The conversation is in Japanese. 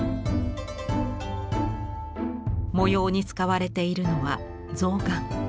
模様に使われているのは象嵌。